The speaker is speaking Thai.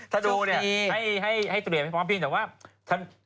ถ้าดูเนี่ยให้ตุเดียไปพร้อมพี่แต่ว่าชุกดี